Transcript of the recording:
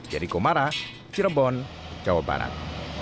jericho mara cirebon jawa barat